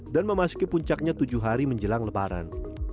dan memasuki puncaknya tujuh hari menjelang lebaran